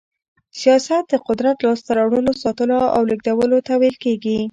سياست د قدرت لاسته راوړلو، ساتلو او لېږدولو ته ويل کېږي.